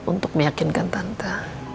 untuk meyakinkan tante